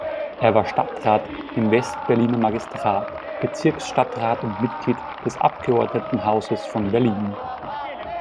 Er war Stadtrat im West-Berliner Magistrat, Bezirksstadtrat und Mitglied des Abgeordnetenhauses von Berlin.